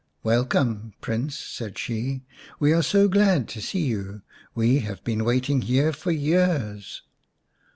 ""Welcome, Prince," said she. "We are so glad to see you, we have been waiting here for years."